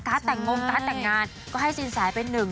กาลต่างงงกาลต่างงานก็ให้สินสมาธิเป็นหนึ่ง